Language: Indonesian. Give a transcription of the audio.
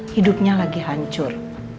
hidupnya lagi hancur